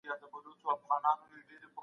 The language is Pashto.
موږ باید د ټولنې واقعیتونه درک کړو.